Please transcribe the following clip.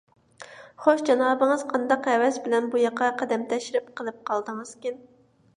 خوش، جانابىڭىز قانداق ھەۋەس بىلەن بۇياققا قەدەم تەشرىپ قىلىپ قالدىڭىزكىن؟